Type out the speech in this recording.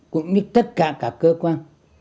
cũng như tất cả các cơ quan